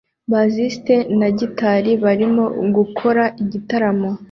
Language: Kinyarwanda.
Bassiste na gitari barimo gukora igitaramo